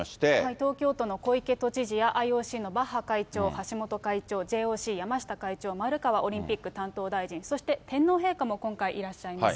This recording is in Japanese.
東京都の小池都知事や、ＩＯＣのバッハ会長、橋本会長、ＪＯＣ、山下会長、丸川オリンピック担当大臣、そして天皇陛下も今回、いらっしゃいます。